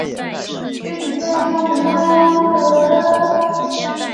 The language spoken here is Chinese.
嘉庆七年调湖北。